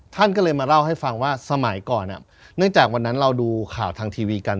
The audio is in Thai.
ท่านก็เลยมาเล่าให้ฟังว่าสมัยก่อนเนื่องจากวันนั้นเราดูข่าวทางทีวีกัน